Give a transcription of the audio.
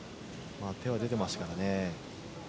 手は出ていましたからね。